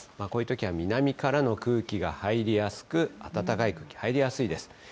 こういうときは南からの空気が入りやすく、暖かい空気入りやすいです。